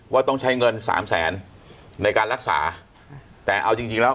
ว่าต้องใช้เงินสามแสนในการรักษาแต่เอาจริงจริงแล้ว